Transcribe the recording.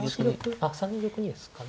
あっ３二玉にですかね。